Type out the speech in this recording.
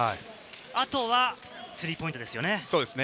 あとはスリーポイントですよね。